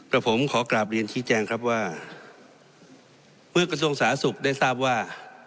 แล้วผมขอกราบเรียนชี้แจงครับว่าเมื่อกระทรวงสาธารณสุขได้ทราบว่า